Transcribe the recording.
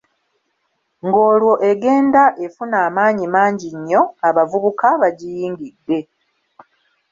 Ng’olwo egenda efuna amaanyi mangi nnyo, abavubuka bagiyingidde.